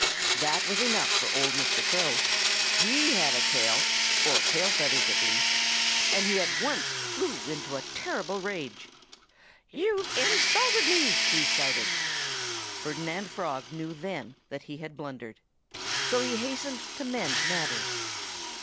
That was enough for old Mr. Crow. He had a tail or tail feathers, at least. And he at once flew into a terrible rage. "You've insulted me!" he shouted. Ferdinand Frog knew then that he had blundered. So he hastened to mend matters.